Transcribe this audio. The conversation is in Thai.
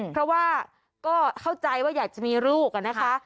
เพราะว่าก็เข้าใจว่าอยากจะมีลูกนะคะ